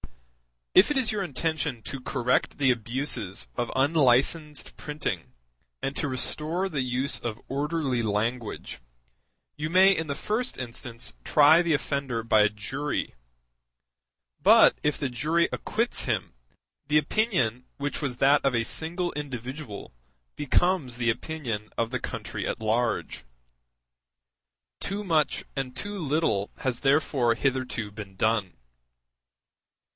If it is your intention to correct the abuses of unlicensed printing and to restore the use of orderly language, you may in the first instance try the offender by a jury; but if the jury acquits him, the opinion which was that of a single individual becomes the opinion of the country at large. Too much and too little has therefore hitherto been done.